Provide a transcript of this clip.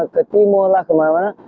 ke timur kemana mana